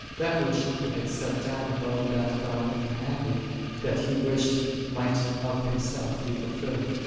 "3 That which he had set down above that God had commanded, that he wished might of himself be fulfilled.